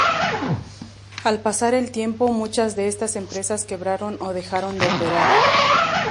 Al pasar el tiempo, muchas de estas empresas quebraron o dejaron de operar.